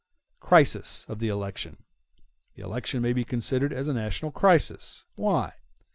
]] Crises Of The Election The Election may be considered as a national crisis—Why?